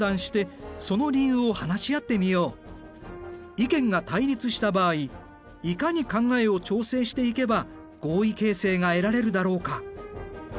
意見が対立した場合いかに考えを調整していけば合意形成が得られるだろうか。